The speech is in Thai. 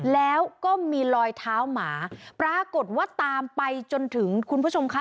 แล้วก็มีรอยเท้าหมาปรากฏว่าตามไปจนถึงคุณผู้ชมคะ